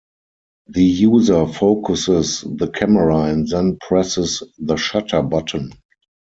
The user focuses the camera and then presses the shutter button.